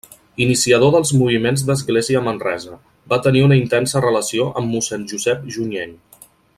Iniciador dels moviments d'església a Manresa, va tenir una intensa relació amb Mossèn Josep Junyent.